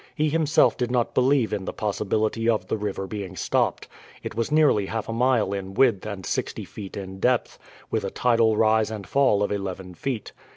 He himself did not believe in the possibility of the river being stopped. It was nearly half a mile in width and sixty feet in depth, with a tidal rise and fall of eleven feet.